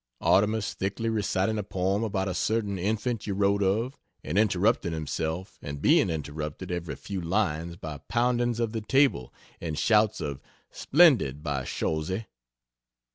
Artemus thickly reciting a poem about a certain infant you wot of, and interrupting himself and being interrupted every few lines by poundings of the table and shouts of "Splendid, by Shorzhe!"